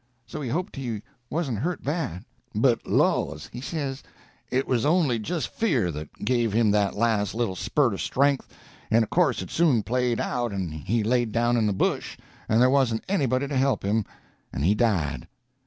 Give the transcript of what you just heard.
So he hoped he wasn't hurt bad. "But laws," he says, "it was only just fear that gave him that last little spurt of strength, and of course it soon played out and he laid down in the bush, and there wasn't anybody to help him, and he died."